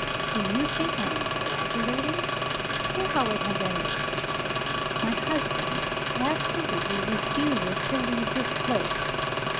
Do you think I am exaggerating? Hear how it has ended. My husband absolutely refuses to leave this place.